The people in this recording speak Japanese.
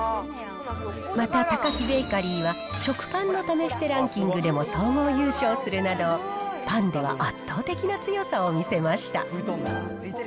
また、タカキベーカリーは、食パンの試してランキングでも総合優勝するなど、パンでは圧倒的な強さを見せました。